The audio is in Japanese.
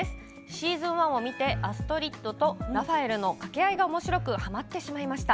シーズン１を見てアストリッドとラファエルの掛け合いがおもしろくはまってしまいました。